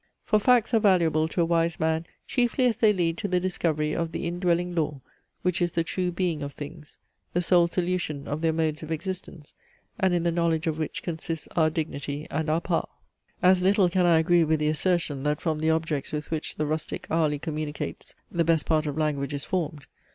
For facts are valuable to a wise man, chiefly as they lead to the discovery of the indwelling law, which is the true being of things, the sole solution of their modes of existence, and in the knowledge of which consists our dignity and our power. As little can I agree with the assertion, that from the objects with which the rustic hourly communicates the best part of language is formed.